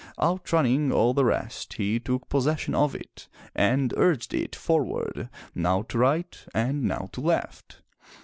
Outrunning all the rest, he took possession of it, and urged it forward, now to right and now to left.